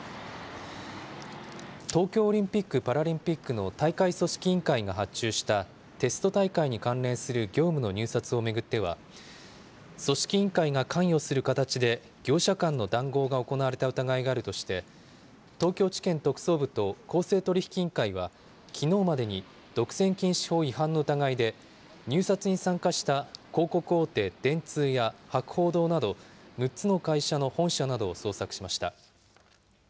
東京オリンピック・パラリンピックの大会組織委員会が発注した、テスト大会に関連する業務の入札を巡っては、組織委員会が関与する形で、業者間の談合が行われた疑いがあるとして、東京地検特捜部と公正取引委員会は、きのうまでに独占禁止法違反の疑いで、入札に参加した広告大手、電通や博報堂など、６つの会社の本社などを捜索しました。